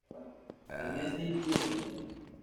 Le Mesnil-Durdent